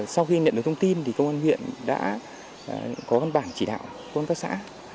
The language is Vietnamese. sau khi nhận được thông tin thì công an huyện đã có văn bản chỉ đạo công an phát xã